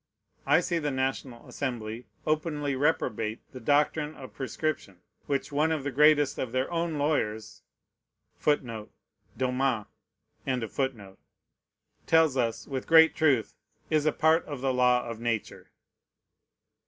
I see the National Assembly openly reprobate the doctrine of prescription, which one of the greatest of their own lawyers tells us, with great truth, is a part of the law of Nature.